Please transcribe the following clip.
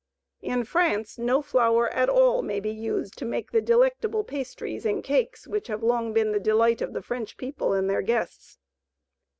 In France no flour at all may be used to make the delectable pastries and cakes which have long been the delight of the French people and their guests.